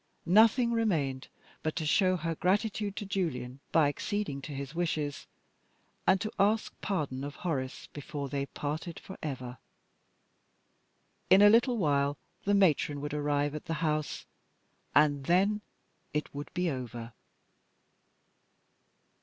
Nothing remained but to show her gratitude to Julian by acceding to his wishes, and to ask pardon of Horace before they parted forever. In a little while the Matron would arrive at the house and then it would be over.